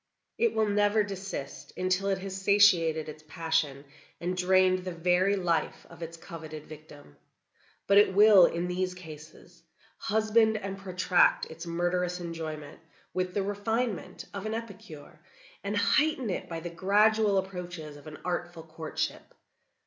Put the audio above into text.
It will never desist until it has satiated its passion, and drained the very life of its coveted victim. But it will, in these cases, husband and protract its murderous enjoyment with the refinement of an epicure, and heighten it by the gradual approaches of an artful courtship.